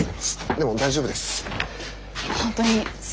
でも大丈夫です。